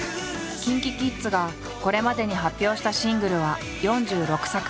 ＫｉｎＫｉＫｉｄｓがこれまでに発表したシングルは４６作。